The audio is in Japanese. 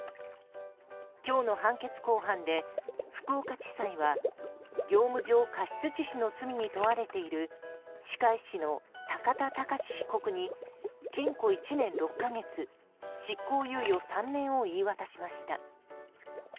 今日の判決公判で福岡地裁は業務上過失致死の罪に問われている歯科医師の高田貴被告に禁錮１年６か月執行猶予３年を言い渡しました。